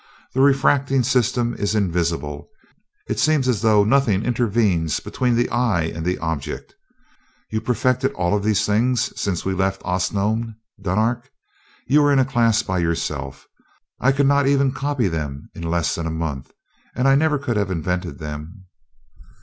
"The refracting system is invisible it seems as though nothing intervenes between the eye and the object. You perfected all these things since we left Osnome, Dunark? You are in a class by yourself. I could not even copy them in less than a month, and I never could have invented them."